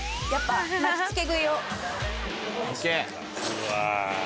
うわ。